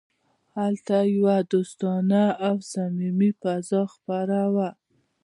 هلته یوه دوستانه او صمیمي فضا خپره وه